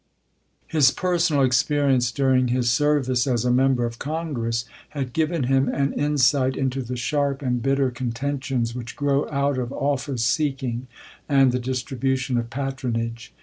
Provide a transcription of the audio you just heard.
348 ABKAHAM LINCOLN ch. xxii. His personal experience during his service as a Member of Congress had given him an insight into the sharp and bitter contentions which grow out of office seeking and the distribution of patronage.